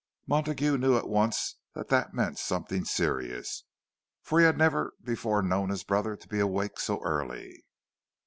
Montague knew at once that that meant something serious, for he had never before known his brother to be awake so early.